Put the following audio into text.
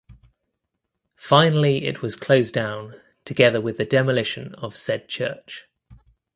Finally it was closed down together with the demolition of said church.